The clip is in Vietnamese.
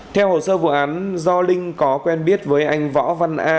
theo hồ sơ vụ án do linh có quen biết với anh võ văn a